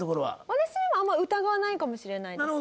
私でもあんまり疑わないかもしれないです。